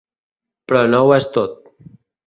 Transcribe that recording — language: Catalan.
Però no ho és tot.